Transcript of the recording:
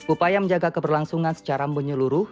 upaya menjaga keberlangsungan secara menyeluruh